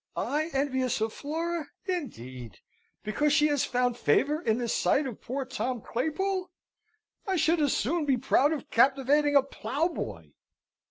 I envious of Flora, indeed, because she has found favour in the sight of poor Tom Claypool! I should as soon be proud of captivating a ploughboy!"